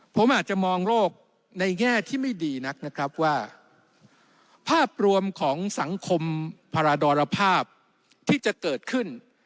ผมอาจจะมองโลกในแง่ที่ไม่ดีนักนะครับว่าภาพรวมของสังคมภารดรภาพที่จะเกิดขึ้น